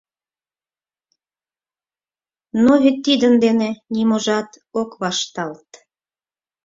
Но вет тидын дене ниможат ок вашталт.